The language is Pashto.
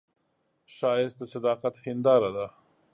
ښایست د صداقت هنداره ده